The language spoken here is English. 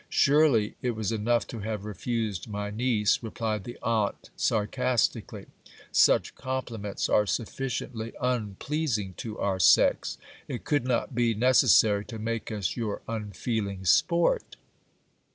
Surely it was enough to have refused my niece, replied the aunt sarcastically ; such compliments are sufficiently unpleasing to our sex ; it could not be neces sary to make us your unfeeling sport.